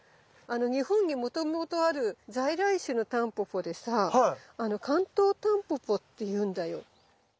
日本にもともとある在来種のタンポポでさカントウタンポポっていうんだよ。